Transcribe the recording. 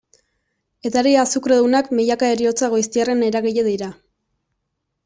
Edari azukredunak, milaka heriotza goiztiarren eragile dira.